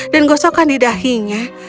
dan gosokkan di dahinya